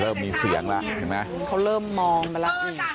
เริ่มมีเสียงละเขาเริ่มมองไปละ